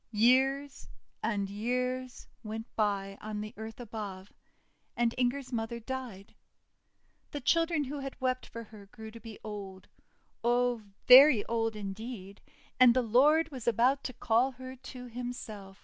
Years and years went by on the earth above, and Inger's mother died. The child who had wept for her grew to be old oh, very old in deed, and the Lord was about to call her to Himself.